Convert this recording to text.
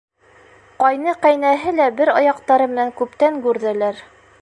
Ҡайны-ҡәйнәһе лә бер аяҡтары менән күптән гүрҙәләр.